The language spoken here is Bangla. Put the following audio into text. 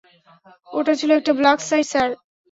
ওটা ছিল একটা ব্ল্যাক সাইট, স্যার।